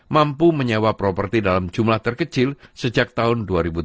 mampu menyewa properti dalam jumlah terkecil sejak tahun dua ribu delapan